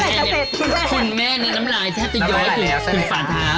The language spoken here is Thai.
ว่าเวลาจักรเผ็ดคือแม่คุณแม่แน้นน้ำรายแทบจะคือฝาตรหาใช่ไหม